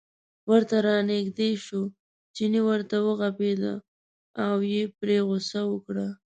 ورته را نژدې شو، چیني ورته و غپېده او یې پرې غوسه وکړه.